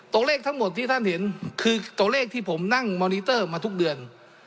ตัวเลขทั้งหมดที่ท่านเห็นคือตัวเลขที่ผมนั่งมอนิเตอร์มาทุกเดือน